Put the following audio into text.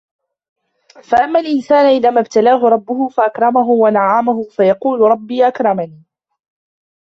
فَأَمَّا الْإِنسَانُ إِذَا مَا ابْتَلَاهُ رَبُّهُ فَأَكْرَمَهُ وَنَعَّمَهُ فَيَقُولُ رَبِّي أَكْرَمَنِ